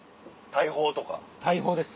大砲です。